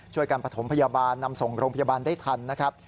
การประถมพยาบาลนำส่งโรงพยาบาลได้ทันนะครับ